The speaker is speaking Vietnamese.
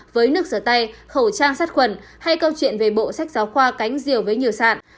với nước sửa tay khẩu trang sát khuẩn hay câu chuyện về bộ sách giáo khoa cánh diều với nhiều sản